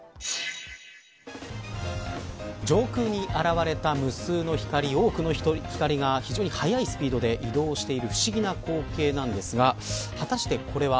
上空に現れた無数の光多くの光が非常に速いスピードで移動している不思議な光景なんですが果たしてこれは。